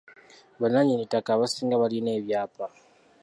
Bannannyini ttaka abasinga balina epyaapa.